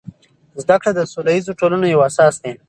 زده کړه د سوله ییزو ټولنو یو اساس دی.